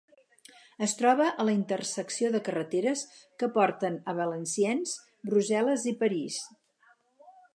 Es troba a la intersecció de carreteres que porten a Valenciennes, Brussel·les i París.